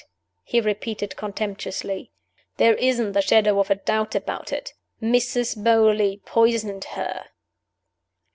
he repeated, contemptuously. "There isn't the shadow of a doubt about it. Mrs. Beauly poisoned her."